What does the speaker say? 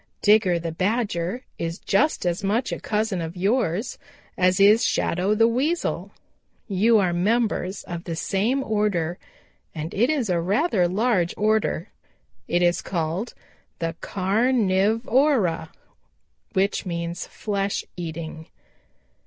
Digger the Badger is just as much a cousin of yours as is Shadow the Weasel. You are members of the same order and it is a rather large order. It is called the Car niv o ra, which means 'flesh eating.'